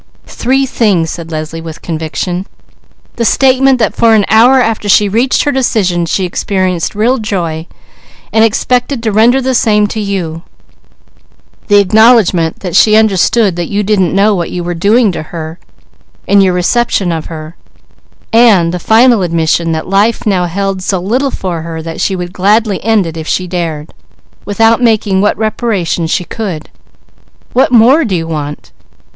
"Three things," said Leslie with conviction: "The statement that for an hour after she reached her decision she experienced real joy and expected to render the same to you; the acknowledgment that she understood that you didn't know what you were doing to her, in your reception of her; and the final admission that life now held so little for her that she would gladly end it, if she dared, without making what reparation she could. What more do you want?"